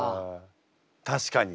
確かに。